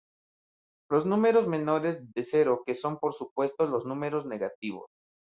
Los números menores que cero son por supuesto los números negativos.